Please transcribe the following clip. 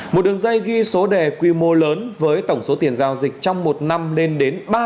một đường dây ghi số đề quy mô lớn với tổng số tiền giao dịch trong một năm lên đến